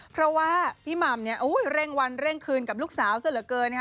เพราะว่าพี่หม่ำเนี่ยเร่งวันเร่งคืนกับลูกสาวซะเหลือเกินนะฮะ